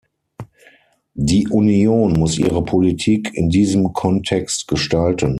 Die Union muss ihre Politik in diesem Kontext gestalten.